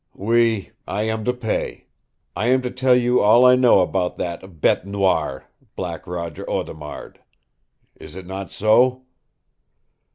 "OUI, I am to pay. I am to tell you all I know about that BETE NOIR Black Roger Audemard. Is it not so?"